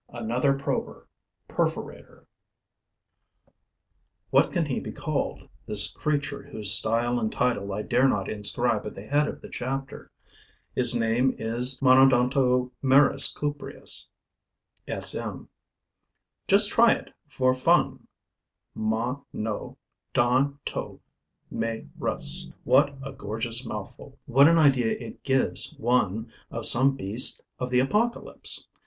ANOTHER PROBER (PERFORATOR) What can he be called, this creature whose style and title I dare not inscribe at the head of the chapter? His name is Monodontomerus cupreus, SM. Just try it, for fun: Mo no don to me rus. What a gorgeous mouthful! What an idea it gives one of some beast of the Apocalypse!